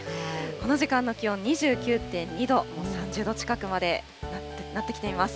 この時間の気温２９．２度、もう３０度近くまでなってきています。